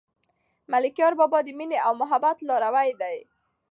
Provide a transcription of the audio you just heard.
ملکیار بابا د مینې او محبت لاروی دی.